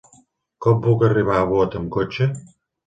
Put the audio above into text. Com puc arribar a Bot amb cotxe?